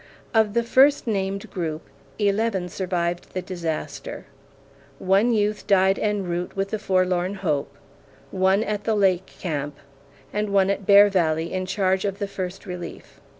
Of the first named group, eleven survived the disaster. One youth died en route with the Forlorn Hope; one at the Lake Camp; and one at Bear Valley in charge of the First Relief.